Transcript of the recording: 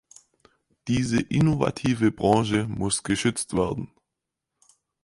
Diese innovative Branche muss geschützt werden.